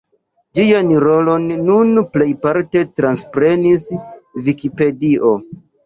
Ĝian rolon nun plejparte transprenis Vikipedio.